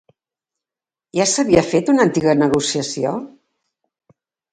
Ja s'havia fet una antiga negociació?